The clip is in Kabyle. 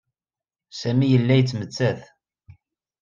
Sami yella yettmettat.